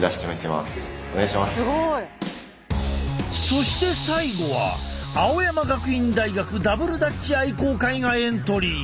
そして最後は青山学院大学ダブルダッチ愛好会がエントリー。